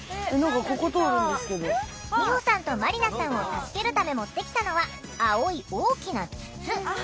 みほさんとまりなさんを助けるため持ってきたのは青い大きな筒。